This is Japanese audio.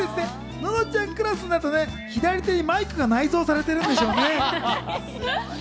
ののちゃんクラスになると、左手にマイクが内蔵されてるんでしょうね。